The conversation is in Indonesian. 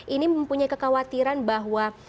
ini mempunyai kekhawatiran bahwa